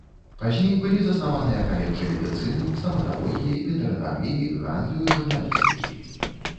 Пазней былі заснаваныя каледжы медыцыны, стаматалогіі, ветэрынарыі, гандлю і журналістыкі.